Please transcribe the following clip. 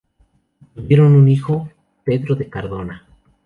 Tuvieron un hijo: Pedro de Cardona.